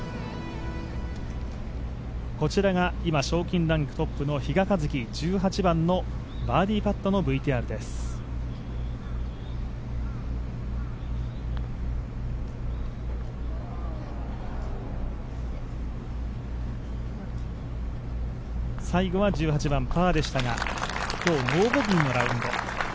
こちらが今、賞金ランクトップの比嘉一貴、１８番のバーディーパットのＶＴＲです最後は１８番、パーでしたが今日はノーボギーのラウンド。